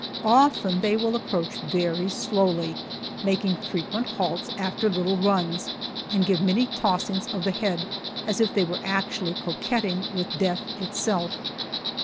Often they will approach very slowly, making frequent halts after little runs, and give many tossings of the head as if they were actually coquetting with death itself!